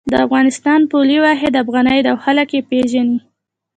د افغانستان پولي واحد افغانۍ ده او خلک یی پیژني